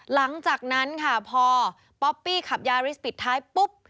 หลังจากนั้นค่ะพอป๊อปปี้ขับยาริสปิดท้ายปุ๊บ